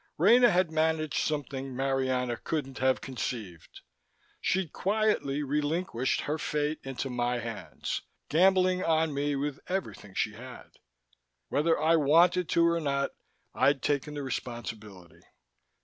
Rena had managed something Marianna couldn't have conceived she'd quietly relinquished her fate into my hands, gambling on me with everything she had. Whether I wanted to or not, I'd taken the responsibility.